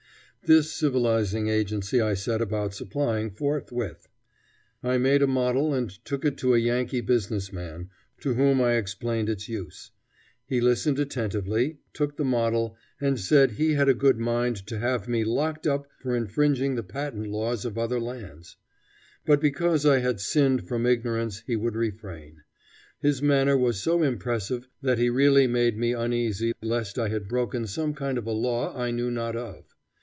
This civilizing agency I set about supplying forthwith. I made a model and took it to a Yankee business man, to whom I explained its use. He listened attentively, took the model, and said he had a good mind to have me locked up for infringing the patent laws of other lands; but because I had sinned from ignorance he would refrain. His manner was so impressive that he really made me uneasy lest I had broken some kind of a law I knew not of.